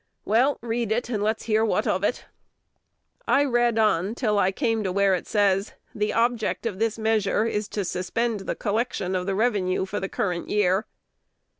Well, read it, and let's hear what of it." I read on till I came to where it says, "The object of this measure is to suspend the collection of the revenue for the current year."